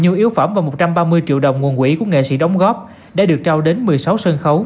nhiều yếu phẩm và một trăm ba mươi triệu đồng nguồn quỹ của nghệ sĩ đóng góp đã được trao đến một mươi sáu sân khấu